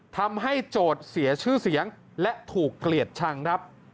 โจทย์เสียชื่อเสียงและถูกเกลียดชังครับ